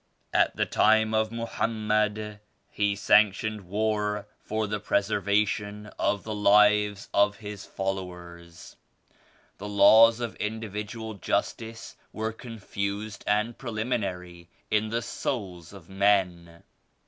"At the time of Mohammed, He sanctioned war for the preservation of the lives of His fol lowers. The laws of individual justice were con fused and preliminary in the souls of men.